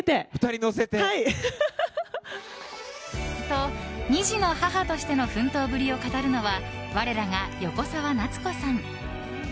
と、２児の母としての奮闘ぶりを語るのは我らが横澤夏子さん。